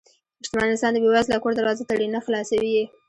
شتمن انسان د بې وزله کور دروازه تړي نه، خلاصوي یې.